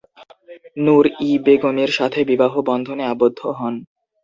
নুর-ই বেগমের সাথে বিবাহ বন্ধনে আবদ্ধ হন।